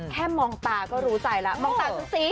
แค่มองตาก็รู้ใจแล้วมองตาซึ่งซี